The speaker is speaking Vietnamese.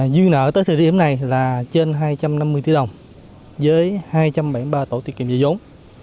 duy nợ tới thời điểm này là trên hai trăm năm mươi tỷ đồng với hai trăm bảy mươi ba tổ tiền kiệm dây dốn